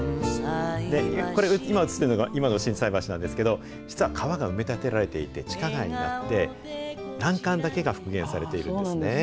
これ、今写っているのが今の心斎橋なんですけど、実は川が埋め立てられていて、地下街になって、欄干だけが復元されているんですね。